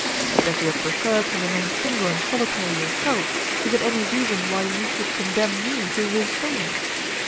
"Because you have preferred to remain single and solitary yourself, is it any reason why you should condemn me to do the same?